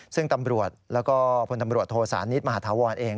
ซึ่งตำรวจแล้วก็พลตำรวจโทสานิทมหาธาวรเอง